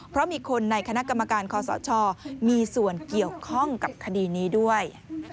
เพราะมีคนในคณะกรรมการคอสชมีส่วนเกี่ยวข้องกับคดีนี้ด้วย